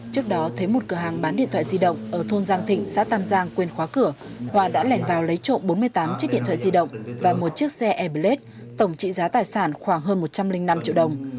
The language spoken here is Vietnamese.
trước đó thấy một cửa hàng bán điện thoại di động ở thôn giang thịnh xã tam giang quêên khóa cửa hòa đã lèn vào lấy trộm bốn mươi tám chiếc điện thoại di động và một chiếc xe airblade tổng trị giá tài sản khoảng hơn một trăm linh năm triệu đồng